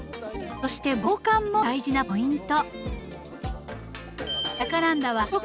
そして防寒も大事なポイント。